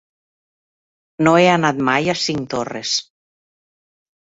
No he anat mai a Cinctorres.